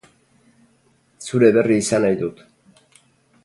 Zure berri izan nahi dut.